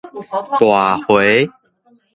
大茴